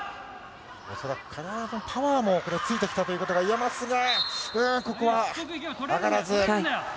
恐らく体とパワーもついてきたということがいえますがここは挙がらず。